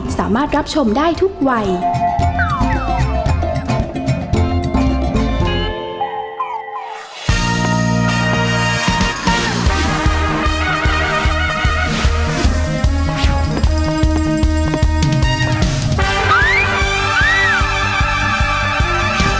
แม่บ้านประจำบาน